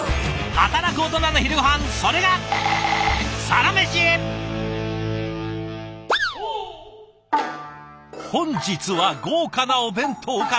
働くオトナの昼ごはんそれが本日は豪華なお弁当から！